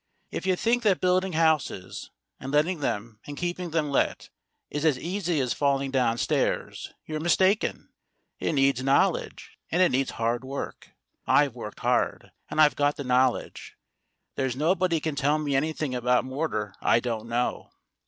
If you think that building houses, and letting them, and keeping them let, is as easy as falling downstairs, you're mistaken. It needs knowledge, and it needs hard work. I've worked hard, and I've got the knowl edge. There's nobody can tell me anything about mortar I don't know.